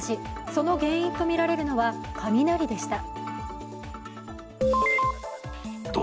その原因とみられるのは雷でした。